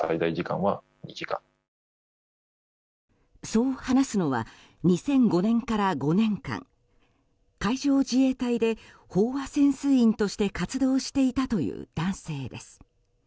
そう話すのは２００５年から５年間海上自衛隊で飽和潜水員として活動していたという男性です。